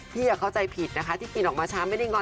เข้าใจผิดนะคะที่กินออกมาช้าไม่ได้งอน